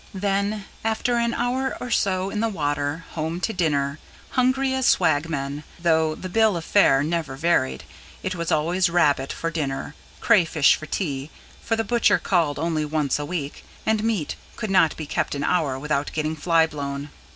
Then, after an hour or so in the water, home to dinner, hungry as swagmen, though the bill of fare never varied: it was always rabbit for dinner, crayfish for tea; for the butcher called only once a week, and meat could not be kept an hour without getting flyblown.